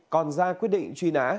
còn ra quyết định truy nã